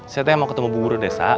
saya tuh yang mau ketemu bu guru desa